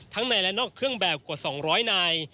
ในและนอกเครื่องแบบกว่า๒๐๐นาย